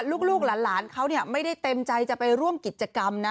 ลูกหลานเขาไม่ได้เต็มใจจะไปร่วมกิจกรรมนะ